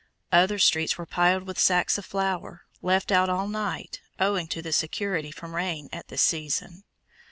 Other streets were piled with sacks of flour, left out all night, owing to the security from rain at this season.